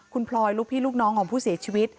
คุณพลอยลูกพี่ลูกน้องของผู้เสียชีวิต